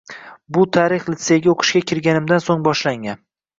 Bu tarix litseyga oʻqishga kirganimdan soʻng boshlangan.